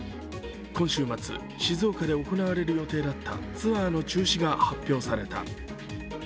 今週末、静岡で行われる予定だったツアーの中止が発表された。